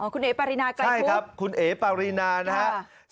อ๋อคุณเอ๋ปารินาไกรคุบใช่ครับคุณเอ๋ปารินานะฮะใช่